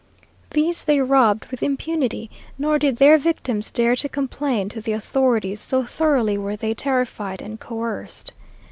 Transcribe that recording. These they robbed with impunity, nor did their victims dare to complain to the authorities, so thoroughly were they terrified and coerced.